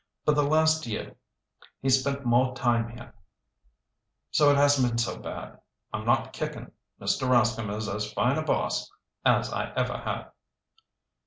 But the last year he's spent more time here so it hasn't been so bad. I'm not kickin'. Mr. Rascomb is as fine a boss as I ever had."